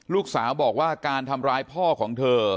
ลูกสาวบอกว่าการทำร้ายพ่อของเธอ